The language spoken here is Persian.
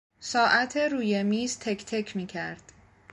ساعت روی میز تک تک میکرد.